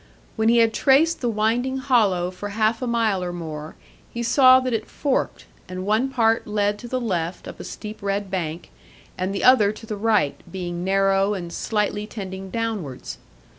When he had traced the winding hollow for half a mile or more, he saw that it forked, and one part led to the left up a steep red bank, and the other to the right, being narrow and slightly tending downwards.